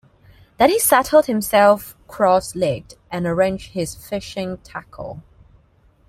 Then he settled himself cross-legged and arranged his fishing tackle.